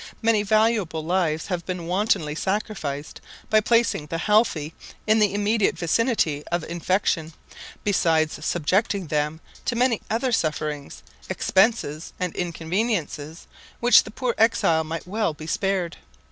Many valuable lives have been wantonly sacrificed by placing the healthy in the immediate vicinity of infection, besides subjecting them to many other sufferings, expenses, and inconvenience, which the poor exile might well be spared.